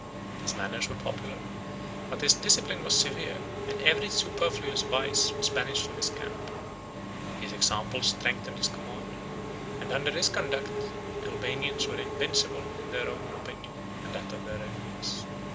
His manners were popular; but his discipline was severe; and every superfluous vice was banished from his camp: his example strengthened his command; and under his conduct, the Albanians were invincible in their own opinion and that of their enemies.